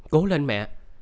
cố lên mẹ